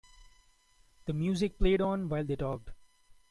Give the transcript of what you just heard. The music played on while they talked.